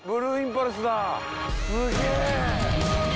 すげえ。